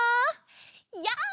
やあ！